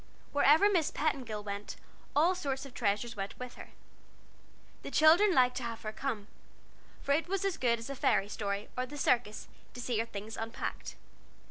Wherever Miss Petingill went, all sorts of treasures went with her. The children liked to have her come, for it was as good as a fairy story, or the circus, to see her things unpacked.